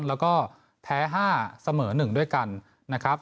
แล้วก็แพ้๕เสมอ๑ด้วยกันนะครับ